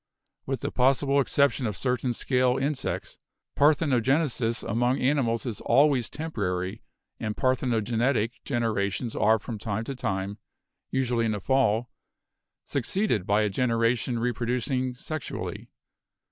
With the possible exception of certain scale in sects, parthenogenesis among animals is always temporary and parthenogenetic generations are from time to time, usually in the fall, succeeded by a generation reproducing sexually.